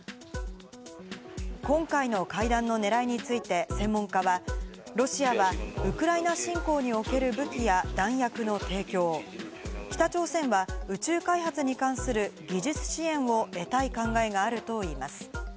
今回の会談の狙いについて、専門家はロシアはウクライナ侵攻における武器や弾薬の提供、北朝鮮は宇宙開発に関する技術支援を得たい考えがあるといいます。